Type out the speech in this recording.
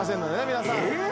皆さん。